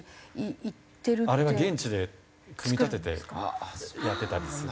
あれは現地で組み立ててやってたりする。